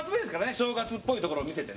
正月っぽいところを見せて。